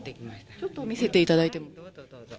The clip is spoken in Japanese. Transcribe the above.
ちょっと見せていただいても。